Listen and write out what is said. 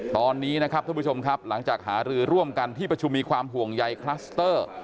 ตอนนี้นะครับท่านผู้ชมครับหลังจากหารือร่วมกันที่ประชุมมีความห่วงใยคลัสเตอร์